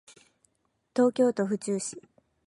東京都府中市